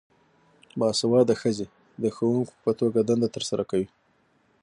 باسواده ښځې د ښوونکو په توګه دنده ترسره کوي.